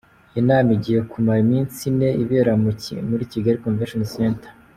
Iyi nama igiye kumara iminsi ine ibera muri Kigali Convention Centre.